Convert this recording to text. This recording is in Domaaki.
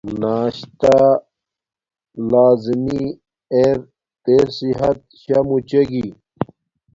ناشتا لازمی ار تے صحت شا موچے گی